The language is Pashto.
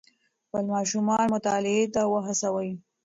خپل ماشومان مطالعې ته وهڅوئ.